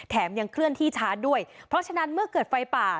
ยังเคลื่อนที่ช้าด้วยเพราะฉะนั้นเมื่อเกิดไฟป่า